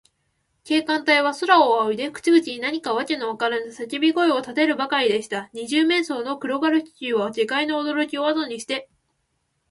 警官隊は、空をあおいで、口々に何かわけのわからぬさけび声をたてるばかりでした。二十面相の黒軽気球は、下界のおどろきをあとにして、